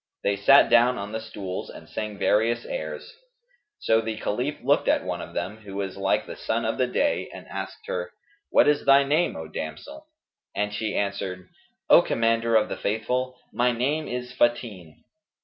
They sat down on the stools and sang various airs; so the Caliph looked at one of them, who was like the sun of the day, and asked her, "What is thy name, O damsel?"; and she answered, "O Commander of the Faithful, my name is Fαtin."